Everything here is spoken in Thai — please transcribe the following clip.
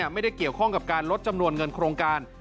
ไม่ได้เกี่ยวข้องกับการลดจำนวนเงินโครงการ